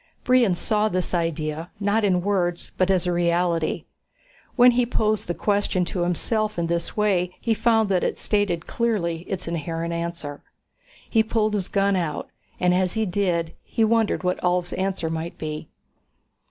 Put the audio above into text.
Brion saw this idea, not in words but as a reality. When he posed the question to himself in this way he found that it stated clearly its inherent answer. He pulled his gun out, and as he did he wondered what Ulv's answer might be.